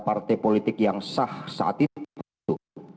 partai politik yang sah saat itu